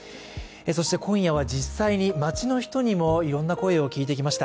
そして今夜は実際に街の人にもいろんな声を聞いてきました。